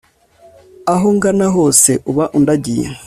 aho ngana hose uba undagiye